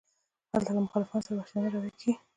هلته له مخالفانو سره وحشیانه رویه کیږي.